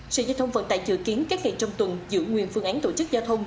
sở giao thông vận tải dự kiến các ngày trong tuần giữ nguyên phương án tổ chức giao thông